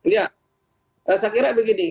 iya saya kira begini